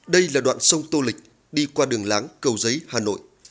đây là đoạn sông tô lịch đi qua đường láng cầu giấy hà nội